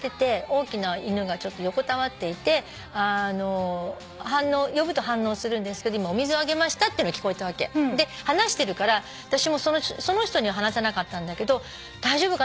大きな犬が横たわっていて呼ぶと反応するんですけど今お水あげましたっていうのは聞こえたわけ。で話してるからその人に話せなかったんだけど大丈夫かなと思ってたら